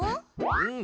うん。